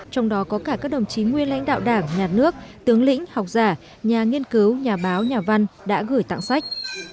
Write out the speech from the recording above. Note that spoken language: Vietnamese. trong đó có cả các đồng chí nguyên lãnh đạo đảng nhà nước tướng lĩnh học giả nhà nghiên cứu nhà báo nhà văn đã gửi tặng sách